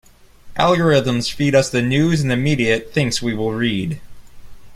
Algorithms feed us news and media it thinks we will read.